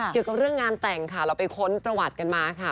เกี่ยวกับเรื่องงานแต่งค่ะเราไปค้นประวัติกันมาค่ะ